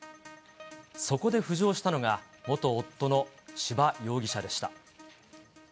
そこで浮上したのが、元夫の千葉容疑者でした。